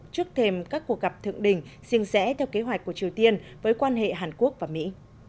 trước thêm các cuộc gặp thượng đỉnh riêng rẽ theo kế hoạch của triều tiên với quan hệ hàn quốc và mỹ